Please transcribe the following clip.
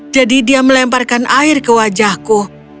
jadi dia melemparkan air ke wajahku